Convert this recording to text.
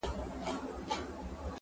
کټو په درې چلي ماتېږي.